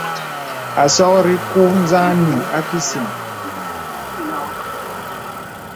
Àsɔkri kù za num a kísìn.